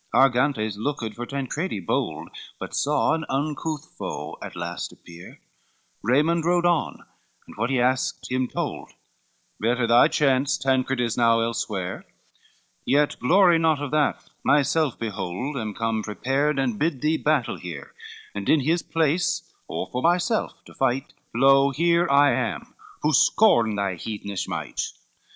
LXXXIV Argantes looked for Tancredi bold, But saw an uncouth foe at last appear, Raymond rode on, and what he asked him, told, Better by chance, "Tancred is now elsewhere, Yet glory not of that, myself behold Am come prepared, and bid thee battle here, And in his place, or for myself to fight, Lo, here I am, who scorn thy heathenish might."